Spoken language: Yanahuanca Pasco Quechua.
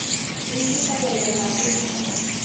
triguta wayrapakushun.